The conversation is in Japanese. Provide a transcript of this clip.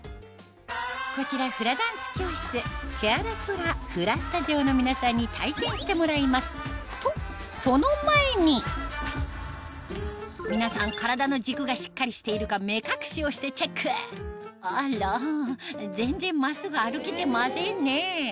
こちらフラダンス教室の皆さんに体験してもらいますとその前に皆さん体の軸がしっかりしているか目隠しをしてチェックあら全然真っすぐ歩けてませんね